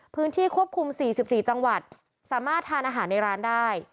พื้นที่ควบคุม๔๔จังหวัดสามารถทานอาหารในร้านได้